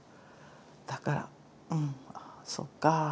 だからうんそっか。